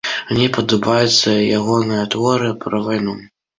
Мне падабаюцца ягоныя творы пра вайну.